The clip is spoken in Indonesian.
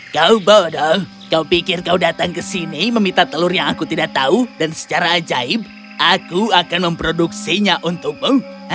kau bodoh kau pikir kau datang ke sini meminta telur yang aku tidak tahu dan secara ajaib aku akan memproduksinya untukmu